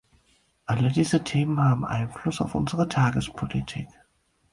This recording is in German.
Alle diese Themen haben Einfluss auf unsere Tagespolitik.